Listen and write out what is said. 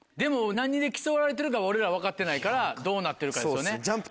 何で競われてるか俺ら分かってないからどうなってるかですよね。